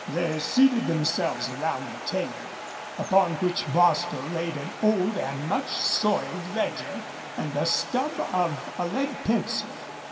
They seated themselves around the table, upon which Bostil laid an old and much soiled ledger and a stub of a lead pencil.